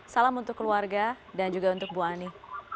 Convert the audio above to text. salam untuk keluarga dan juga untuk bu ani